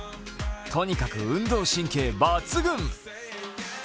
とにかく運動神経抜群。